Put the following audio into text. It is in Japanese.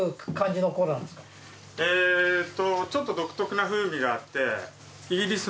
えーっとちょっと独特な風味があって。